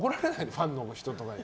ファンの人とかに。